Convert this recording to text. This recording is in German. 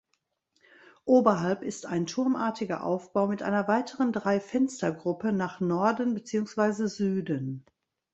Oberhalb ist ein turmartiger Aufbau mit einer weiteren Dreifenstergruppe nach Norden beziehungsweise Süden.